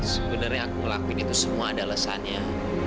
sebenarnya aku ngelakuin itu semua ada alasannya